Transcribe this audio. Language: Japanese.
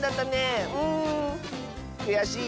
くやしい？